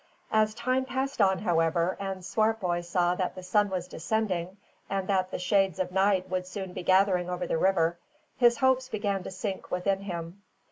As time passed on, however, and Swartboy saw that the sun was descending, and that the shades of night would soon be gathering over the river, his hopes began to sink within him.